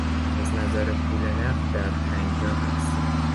از نظر پول نقد در تنگنا هستیم.